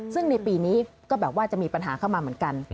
ซึ่งในปีนี้ก็แบบว่าจะมีปัญหาเข้ามาเหมือนกัน